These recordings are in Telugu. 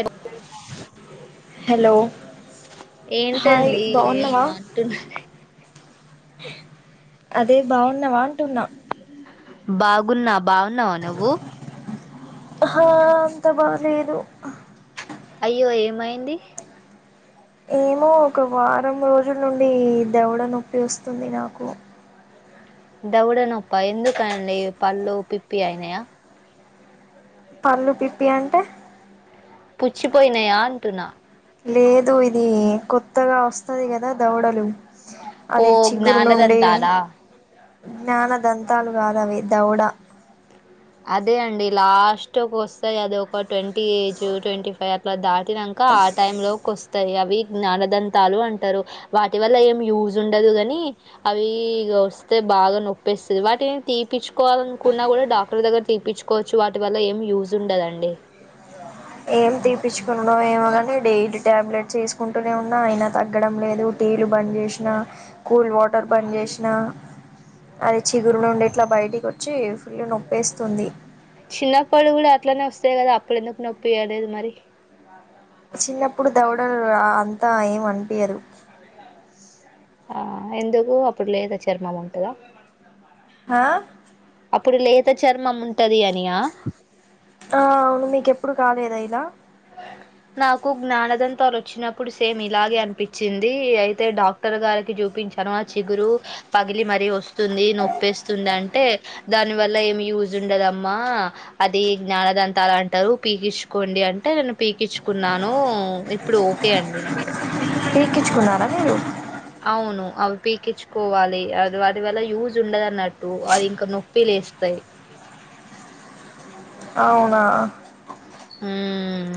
ఎబో హలో హాయ్ ఏంటండి ఏమో బాగున్నావా అంటున్నారు [unintelligible] అదే బాగున్నా బాంటున్నా బాగున్నా బాగున్నావా నువ్వు ఆ అంత బాలేదు అయ్యో ఏమయింది ఏమో ఒక వారం రోజుల నుండి దేవడ నొప్పి వస్తుంది నాకు దౌడనొప్పా ఎందుకడి పల్లుు పిప్పి అయినయా పళ్ళు పిప్పి అంటే పుచ్చిపోయినాయా అంటున్నా లేదు ఇది కొత్తగా వస్తుది కదా దౌడలు ఓ జ్ఞానదంతా అలా జ్ఞాన దంతాలు కాదవి దౌడ అదే అండి లాస్ట్ వస్తే అది ఒక ట్వంటీ ఏజ్ ట్వంటీ ఫైవ్ అట్లా దా తినక ఆ టై లోకి వస్తాయి అవి జ్ఞానదంతాలు అంటారు వాటి వల్ల ఏం యూజ్ ఉండదు కాని అవి వస్తే బాగా నొప్పిస్తుంది వాటిని తీపిచ్చు కున్నా కూడా డా తీపించుకోవచ్చు వాటి వల్ల ఏం యూజ్ ఉండదండి ఏం తీపచ్చుకున్నాడం ఏమో కాని డెలీ ట్యాబ్లెట్స్ వేసుకుంటూనే ఉన్నా అయినా తగ్గడం లేదు టీవీలు బంద్ చేసినా కూల్ వాటర్ బంద్ చేసినా అది చిగురు నుండి ఇట్లా బయటికి వచ్చి ఫుల్ నొప్పేస్తుంది చిన్నప్పడు కూడా అట్లనే వస్తాయి కదా అప్పుడుెందుకు నొప్పియలేదు మరి చిన్నప్పుడు దౌడలు అంతా ఏం అనిపయరు ఆ ఎందుకు అప్పుడు లేదుచ్చ చర్మం ఉంటుందా హా అప్పుడు లేత చర్మం ఉంటది అనియా ఆ అవును మీకెప్పుడు కాలేదు ఇలా నాకు జ్ఞానదంతో వచ్చినప్పుడు సేమ్ ఇలాగే అనిపించింది అయితే డాక్టర్ గారికి చూపించాను ఆ చిగురు పగిలి మరీ వస్తు ది నొప్పేస్తుంది అంటే దాని దాని వల్ల ఏమి యూజ్ ఉండదమ్మా అది జ్ఞానదంతాలు అంటారు పీకించుకోండి అంటే నన్ను పీకించు కున్నాను ఇప్పుడు ఓకే అండి నాకు పీక్కించుకున్నారా మీరు అవును అవి పీకించుకోవాలి అది అటివల్ల యూజ్ ఉండదున్నట్టు అది ఇంక నొప్పి లేస్తాయి అవునా ఉమ్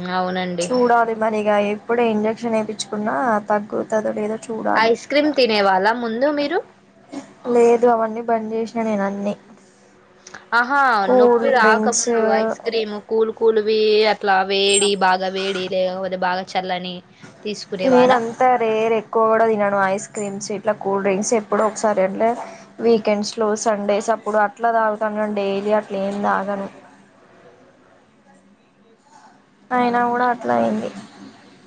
చూడాల మనేగా ఏ ఇప్పుడే ఇంజెక్షన్ వేయిించుకున్నా తగ్గు తదుడుదు ఐస్ క్రీమ్ తినేవాాలా ముందు మీరు పనిచేసిన నేను అన్నీ ఆహా కూల్ నొప్పిరు ఆక డ్రింక్స్ ముందు ఐస్ క్రీము కూల్ పుల్వి ఇట్లా వేడి భాగా వేడి లలేకపోతే భాగా చలని నేనంతా రేర్ ఎక్కువ కూడా తినను ఐస్ క్రీమ్స్ ఇట్లా కూల్ డ్రింక్స్ ఎప్పుడో ఒకసారి అంటే వీకెండ్స్లో సండేస్ అప్పుడు అట్లా తాగుతాను కానీ డైలీ అట్లా ఏం తాగను అయినా కూడా అట్లా అయింది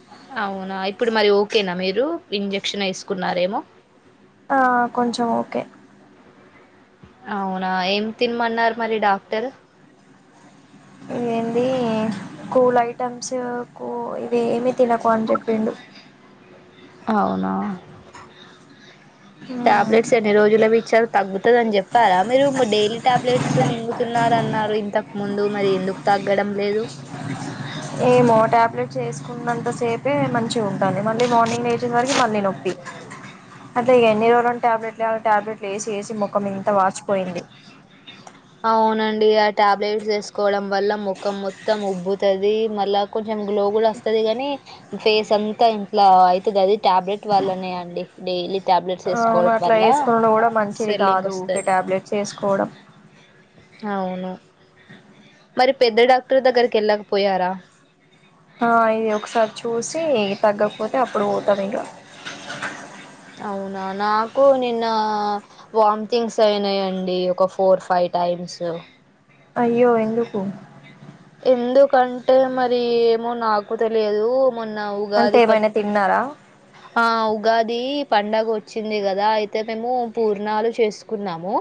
అ అవునా ఇప్పుడు మరి ఓకేనా మీరు ఇంజక్షన్ వేసుకున్నారేమో ఆ కొంచం ఓకే అవునా ఏం తినమన్నారు మరి డాక్టర్ ఇదేంటి కూల్ ఐటమ్స్ కూ వేమి తినకు అని చెప్పిండు అవునా టాబ్లెట్స్ ఎన్ని రోజులవీ ఇచ్చారు తగ్గుతది అని చెప్పారా మీరు డైలీ టాబ్లెట్స్ మింగుతున్నరన్ న్నారు ఇంతకు ముందు మరి ఎందుకు తగ్గడం లేదు ఏమో టాబ్లెట్స్ వేసుకున్నంత సేపే మంచిగ ఉంటంది మళ్ళీ మార్నింగ్ లేచేసరికి మళ్ళీ నొప్పి అట్ల ఎన్ని రోజులను టాబ్లెట్లు ఎయ్యాలి టాబ్లెట్లు వేసి వేసి ముఖం ఇంత వాచిపోయింది అవునండి ఆ టాబ్లెట్స్ వేసుకోవడం వల్ల ముఖం మొత్తం ఉబ్బుతది మళ్ళ కొంచెం గ్లో కూడా వస్తుది కాని ఫేస్ అంతా ఇంట్లా అయితది అది టాబ్లెట్ వాళ్లనే అండి డైలీ టాబ్లెట్స్ ఆ అవును వేసుకోవడం అట్లా వల్ల వేసుకునుడు కూడా మంచిది స్వెల్లింగ్ కాదు ఊకే వస్తది టాబ్లెట్స్ వేసుకోవడం అవును మరి పెద్ద డాక్టర్ దగ్గరికి వెళ్ళకపోయారా ఆ ఇది ఒకసారి చూసి తగ్గకపోతే అప్పుడు పోతం ఇగ అవునా నాకు నిన్నా వామ్టింగ్స్ అయినయండి ఒక ఫోర్ ఫైవ్ టైమ్స్ అయ్యో ఎందుకు ఎందుకంటే మరి ఏమో నాకు తెలియదు మోన్న అంటే ఉగాది పచ్చ, ఏమైనా తిన్నారా ఆ ఉగాది పండగ వచ్చింది కదా అయితే మేము పూర్ణాలు చేసుకున్నాము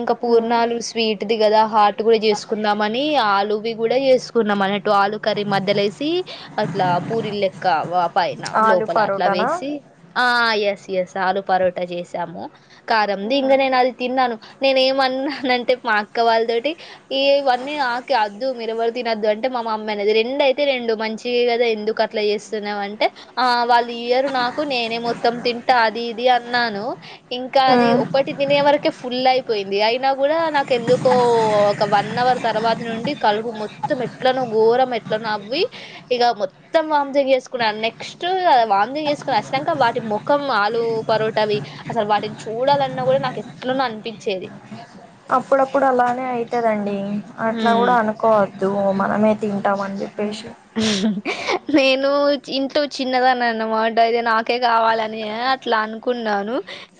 ఇంకా పూర్ణాలు స్వీట్ది కదా హాట్ టు కూడా చేసుకుందాం అనీ ఆలు అవి కూడా చేసుకున్నాం అనేట్ ఆలు కర్రీ మధ్యలేసి అట్లా పూరి లెక్క వ పైన ఆలు లోపల అట్లా పరోటానా వేసి, ఆ ఎస్ ఎస్ ఆలూ పరోట చేసాము కారంమ్ది ఇంగా నేను అది తిన్నాను నేనే ఏమన్నానంటే మా అక్క వాళ్ళతోటి ఇ ఇవన్నీ నాకే అద్ మీరెవరు తినద్దు అంటే మా మమ్మీ అనది రెండూ అయితే రెండు మంచిది కదా ఎందుకు అట్లా చేస్తున్నావు అంటే ఆ వాళ్ళు ఇయ్యరు నాకు నేనే మొత్తం తింటా అది ఇది అన్ న్నాను ఇంకా అది ఒకటి తినే వరకే ఫుల్ అయిపోయింది అయినా గూడా నాకేందుకో ఒక వన్ అవర్ తర్వాత నుండి కలుపు మొత్తం ఎట్లనో ఘోరం ఎట్లనో అవ్వి ఇక మొత్తం వాంతింగ్ చేసుకున్నా నెక్స్ట్ వాంతింగ్ చేసుకుని వస్నాంక వాటి ముఖం ఆలు పరోటవి అసలు వాటిని చూడాలన్నా కూడా నాకు ఎట్లనో అనిపిచేది అప్పుడప్పుడు అలానే అయితదండి అట్లా హ్మ్ కూడా అనుకోవా దు మనమే తింటాం అని చెప్పేశి నేను ఇంటు చిన్నదానన్నమాట అదే నా కే కావాలని అక్ ట్లా అనుకున్నాను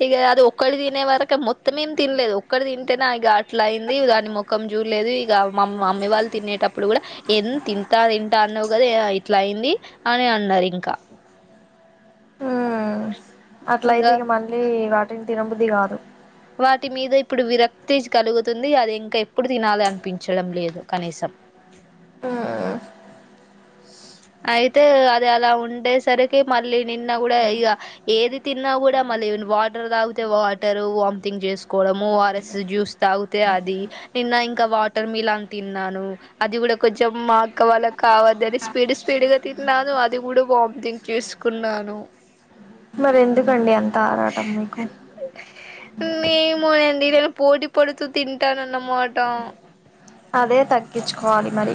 ఇగా అది ఒక్కల్ తినేవరకె మొత్తం ఏం తిన్ లేదు ఒక్కటి తింటేనే అ గట్లాయింది దాని ముఖం జూడ్ లేదు ఇగా మమ్ మామ్మి వాళ్ళు తినేటప్పుడు కూడా ఎంన్ తింతా టా అన్నవ్ కద అ ఇట్లా అయింది అని అన్నరింకా అట్లైతే ఇగ మళ్ళీ వా టిన్ తినబుద్ది కాదు వాటి మీద ఇప్పుడు విరక్తి కలుతుంది అది ఇంకేప్పుడు తినాలనిపించడం లేదు కనీసం హుం ఐతే అది అలా ఉండేసరికి మళ్ళీ నిన్న కూడా ఇగా ఏది తిన్నా కూడా మళ్ళీ [inaudible] వాటర్ తాగుతే వాటర్ వామ్ తింగ్ జేస్కోవడము ఆర్ఎస్స్ జ్యూస్ తాగుతే అది నిన్న ఇ కా వాటర్ మిలన్‌ తిన్నాను అది గూడా కొచెం మా అక్క వాళ్ళ కావద్దని పీడ్ స్పీడ్ తిన్నాదు అది కూడా వామ్ తింగ్ చేస్కున్నాను తారాటం మీకు మీరేదో పోటీ పడుతూ తింటానన్నమాట అదే తగ్గిచుకోవాలి మరి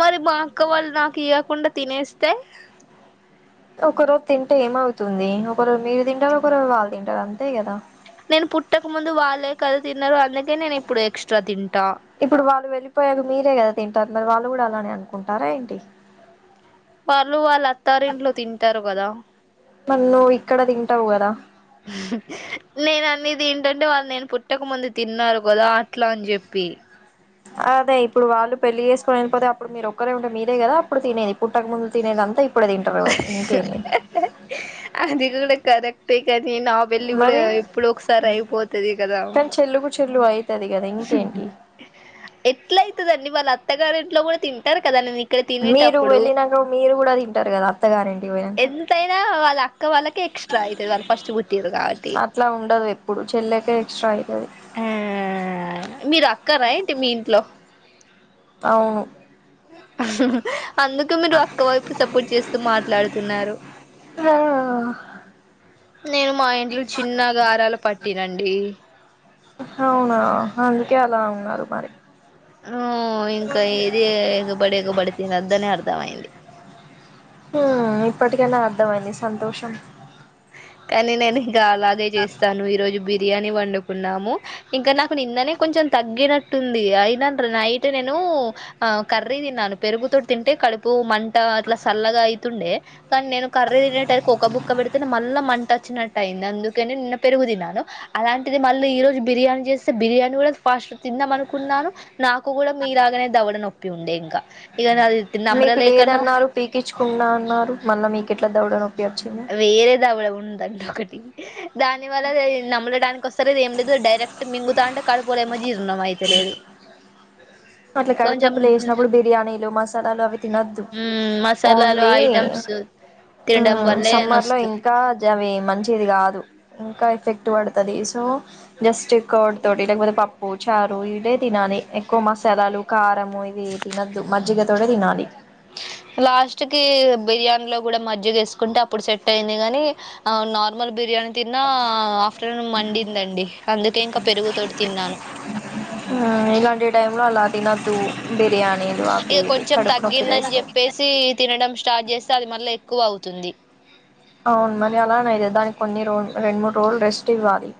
మరి మా అక్క వాళ్ నాక్ కియకుండా తినేస్తే ఒక రోక్‌ తింటే ఏమౌతుంది ఒక రోజు మీరు తింటారు ఒక రోజు వాళ్ళు తింటారు అంతే కదా నేను పుట్టక ముందు వాళ్ళే కద తిన్నరు అందుకే నేను ఇప్పుడు ఎక్స్ట్రా తిం ఇప్పుడు వాళ్ళు వెళ్ళిపోయాక మీరే గదా తింటారు మరి వాళ్ళు కూడా అలానే అనుకుంటారా ఏంటి వాళ్ళు వాళ్ళత్తారింట్లో తింటారు కదా మరి నువ్వు ఇక్కడ తింటావు కదా నేనన్ని దీంటంటే వాళ్ళు నేను పుట్టక ముందు తిన్నారు కదా అట్లాన్ జెప్పి అదే ఇప్పుడు వాళ్ళు పెళ్లి చేసుకోని వెళ్ళిపోతే అప్పుడు మీరొక్కరే ఉంటే మీరే కదాప్పుడు తినేది పుట్టక ముందు తినేది అంతా ఇప్ ఇప్పుడదింటరు ఇంకేమి అదిగూడ కరెక్ట్ గది నా పెళ్ళి కూడా మరి ఎప్పుడొ ఒకసారి అయిపోతది కదా చెల్లుఐ ఎట్లైతదండి వాళ్ళ అత్తగారు ఇంట్లో కూడా తింటారు కదా ననీ మీరు వెళ్ళినక మీరు కూడా తింటారు కదా అత్తగారింటికి పోయినాంక క వాళ్ళకే ఎక్స్ట్రా అయితది వాళ్ళ ఫస్ట్ బుట్టిరు కావట్టి అట్లా ఉండదు ఎప్పుడు చెల్లెకే ఎక్స్ట్రా అయితది ఆ మీర్ అక్కానా ఏంటి మీ ఇంట్లో? అవును అందుకే మీరు అక్కవైపు సపోర్ట్ చేస్తూ మాట్లాడుతున్నారు. ఆ నేను మా ఇంట్లో చిన్న గారాల పట్ తినండి అవునా అందుకే అలా ఉన్నారు మారి ఆ ఇంకా ఏది ఎగబడి ఎగబడి తినదు అని అర్థంయంది. ఉహ్ ఇప్పటికనా అర్థమయింది సంతోషం కానీ నేను ఇక అలాగే చేస్తాను ఈరోజు బి దీర్యని వండుకున్నాము ఇంకా నాకు నిందనే కొంచం తగ్గినట్టుంది. అయిన నైట్ నేను ఆ కర్రీ తిన్నాను పెరుగుతో తింటే కడుపు మంట అట్లా సల్లగా అయ్ తుండే, కానీ నేను కర్రీ తినేట ఒక బుక్క పెడ్ తన్ మళ్ళా మంట వచ్చినట్టు అయింది. అందుకనే నిన్న పెరుగు తినన్నాను, అలాంటిది మళ్ళీ ఈ రోజు బిర్యానీ చేస్తే బిర్యానీ కూడా ఫాస్ట్ తిందాం అనుకున్నాను నాకు కూడా మీలాగనే దవ్వడ నొప్పి ఉండే ఇంకా ఇక అది మీకు నమ్మలలేకనో లేదన్నారు పీకిచుకున్న అన్నారు. మొన్న మీకెట్లా దౌడ నోప్ వేరే దౌడ ఉన్ రెండ్ ఒకటి దాని వల్ల ఈ నమ్మలడానికి వస్తలేద్ ఏం లేదు డైరెక్ట్ మింగుతాంటే [unintelligible] అట్లా కడుపు కొంచెం నొప్పులు వేసినప్పుడు బిర్యానీలు మసాలాలు అవి తినొద్దు మ్మ్ మసాలాలు ఓన్లీ ఐటమ్స్ తినడం ఉమ్ వల్లే సమ్మర్ లో నొస్తుంది ఇంకా అవి మంచిది కథ్ ఇంకా ఎఫెక్ట్ పడుతుది సో జస్ట్ కోడ్ తోటి ఇగ మనం [unintelligible] చారు ఇడే తినాలి ఎక్కువ మసాలాలు కారంము ఇవి తినద్దు మజ్జిగ తోటె తినాలి. లాస్ట్ కి బిర్యానీలో కూడా మజ్జిగ వేసుకుంటే అప్పుడు సెట్ అయింది గాని, ఆ నార్మల్ బిర్యానీ తిన్నా ఆఫ్టర్నూన్ మండిందండి అందుకే ఇంకా పెరుగుతోటి తిన్నాను. ఉమ్ ఇలాంటి టైమ్ లో అలా తినద్దు బిర్యానీలు అవి ఇవి కడుపు నొప్పి లేస్తది. ఈ తినడం స్టార్ట్ చేస్తే అది మళ్ళీ ఎక్కువ అవుతుంది. అవును మరి అలానే కథ దానికి కొన్ని రో రెండు మూడు రోజులు రెస్ట్ ఇవ్వాలి,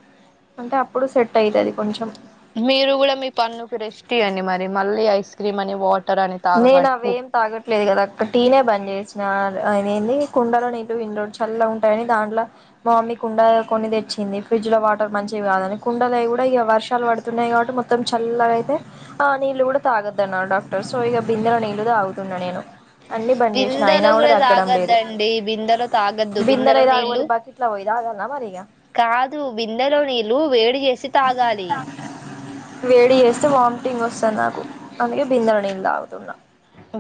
అంటే అప్పుడు సెట్ అయితది కొంచెం మీరు కూడా మీ పన్నుకు రెస్ట్ ఇవ్వండి మరి మళ్ళీ ఐస్ క్రీమ్ అని వాట్ నెన్ అవే ఏం తాగట్లేదు కదా అక్క టీనే బంద్ చేస్ ఆడ్ ఆది ఏంది కుండలో నీళ్ళ వి చల్లగా ఉంటాయని దాంట్లో, మా మమ్మీ కుండ కొన్ని తెచ్చింది. ఫ్రిడ్జ్ లో వాటర్ మంచివి కాదని కుండలువి కూడా ఇక వర్షాలు పడుతున్నాయి కాబట్టి మొత్తం చల్లగా అయితే ఆ నీళ్ళలు కూడా తాగద్ద అన్నారు డాక్టర్స్. సో ఇక బిధాల నీళ్లు తగుతున్నా నేను అన్ని బంద్ చేసిన బిందెలో అయినా కూడా తగ్గడం లేదు తాగద్దండి బిందెలో తాగద్దు బిందెలో బిందెలయి నీళ్ళ తాగపోతే బకెట్లో పోయి తాగాల్నా మరి ఇగ కాదు బిందెలో నీళ్లు వేడి చేసి తాగాలి వేడి చేస్తే వామిటింగ్ వస్తంది నాకు అందుకే బిందల నీలు తాగుతున్నా.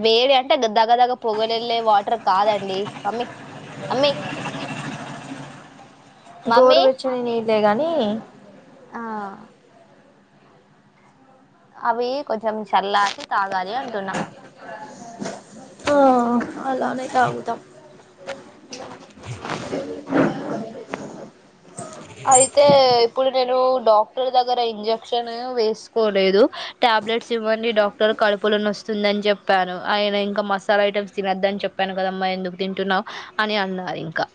వేడి అంటే దగ్ దగదాగ పొగలు వెళ్ళే వాటర్ కాదండి మమ్మీ అమ్మి. గోరు వెచ్చని నీరు. అదే కానీ. ఆహ్. అవి కొంచెం చల్లార్చి. ఆహ్ అలానే తాగుతా. అయితే ఇప్పుడు నేను డాక్టర్ దగ్గర ఇంజక్షన్ వేసుకోలేదు టాబ్లెట్స్ ఇవ్వండి. డాక్టర్ కడుపులోన వస్తుందని చెప్పాను. ఆయన ఇంకా మసాలా ఐటమ్స్ తినొద్దని చెప్పాను కదమ్మా. ఎందుకు తింటున్నావు అని అన్నారు ఇంకా.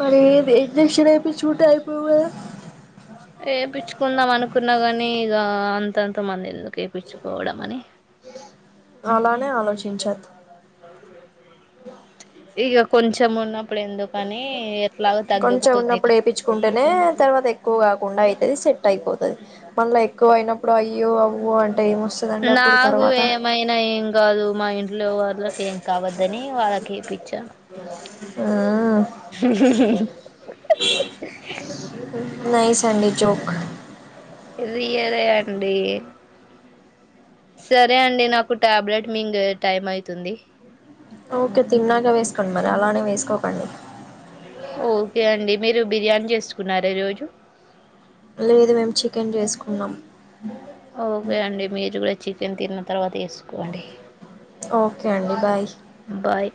మరి ఇంజెక్షన్ ఏపిచ్చుకుంటే అయిపోవు కదా. ఏపిచ్చుకుందాం అనుకున్నా గాని. ఆహ్ అంతంత మందిలు. ఎపిచ్చుకోవడంమనీ. ఆలోచించొద్దు. కొంచెము ఉన్న కొంచెం ఉన్నప్పుడు కదా ఏపిచ్చుకుంటానే తర్వాత ఎక్కువ కాకుండా అయితు అది సెట్ అయిపోతు మనాలో ఎక్కువ అయినప్పు అయ్యో అబ్బో అన్ నాకు ఏమైనా ఏం కాదు మా ఇంట్లో వాళ్ళకి ఏం కావద్దని వాళ్ళకి ఎప్పిచ్చాం. మ్మ్ హమ్ హమ్ నైస్ అండి జోక్. రియలే అండి. సరే అండి. నాకు టాబ్లెట్ మీంగే టైం అయితుంది. ఓకే తిన్నాగా వేసుకోండి. మరి అలానే వేసుకోకండి. ఓకే అండి మీరు. బిర్యానీ చేసుకున్నారా ఈరోజు. లేదు మేము చికెన్ చేసుకున్నాం. ఒకే అండి మీరూ కూడా చిక్ తిన్న తర్వాత వేసుకోండి. ఓకే అండి బాయ్. బాయ్